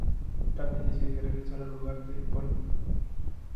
Candy decide regresar al hogar de Pony.